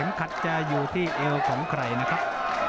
เข็มคัฟจะอยู่ที่เอวของใครครับ